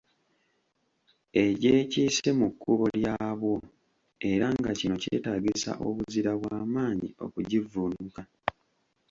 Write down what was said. Egyekiise mu kkubo lyabwo era nga kino kyetaagisa obuzira bwa maanyi okugivvuunuka.